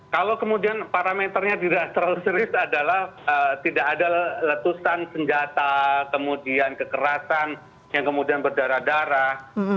kalau kemudian parameternya tidak terlalu serius adalah tidak ada letusan senjata kemudian kekerasan yang kemudian berdarah darah